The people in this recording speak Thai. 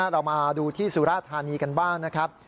เรามาดูที่สุราธานีกันบ้างนะครับ